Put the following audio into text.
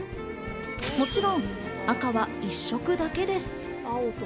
もちろん赤は一色だけです。